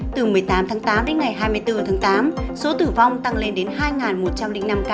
từ một mươi tám tháng tám đến ngày hai mươi bốn tháng tám số tử vong tăng lên đến hai một trăm linh năm ca